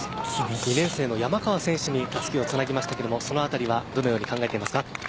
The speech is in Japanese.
２年生の山川選手にたすきをつなぎましたがその辺りはどのように考えていますか？